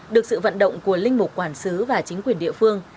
được sự vận động của linh mục quản sứ và chính quyền địa phương